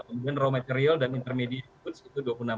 kemudian raw material dan intermediate pun sekitar dua puluh enam